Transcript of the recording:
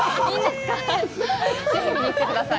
ぜひ見に来てください。